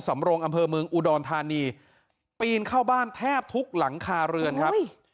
สำรงอำเภอเมืองอุดรธานีปีนเข้าบ้านแทบทุกหลังคาเรือนครับ